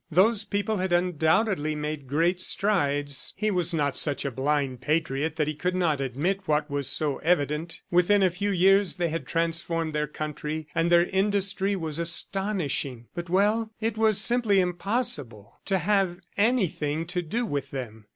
Those people had undoubtedly made great strides. He was not such a blind patriot that he could not admit what was so evident. Within a few years they had transformed their country, and their industry was astonishing ... but, well ... it was simply impossible to have anything to do with them.